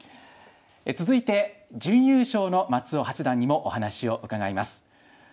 続いて準優勝の松尾八段にもお話を伺います。